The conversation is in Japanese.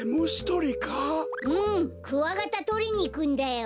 うんクワガタとりにいくんだよ。